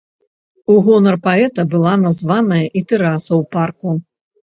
У гонар паэта была названая і тэраса ў парку.